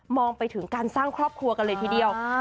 องไปถึงการสร้างครอบครัวกันเลยทีเดียว